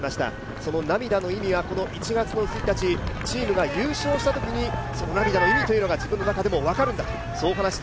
その涙の意味はこの１月１日、チームが優勝したときにその涙の意味というのが自分の中でも分かるんだと話して